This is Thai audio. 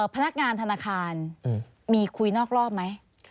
พนักงานธนาคารมีคุยนอกรอบไหม